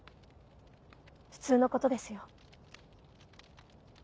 普通のことですよ。